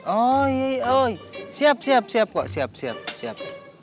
oh iya iya siap siap siap kok siap siap siap